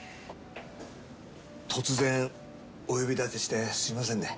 突然お呼び立てしてすいませんね。